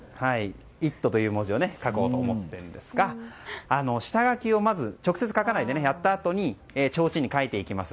「イット！」という文字を描こうと思っているんですが下書きをまず直接書かないでやったあとにちょうちんに書いていきます。